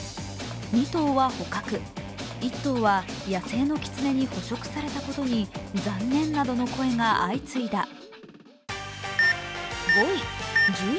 ２頭は捕獲、１頭は野生のきつねに補食されたことに、残念などの声が相次いだ。